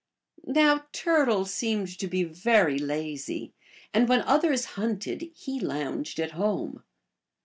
Now Turtle seemed to be very lazy, and when others hunted he lounged at home.